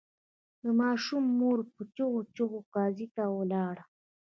د ماشوم مور په چیغو چیغو قاضي ته ولاړه.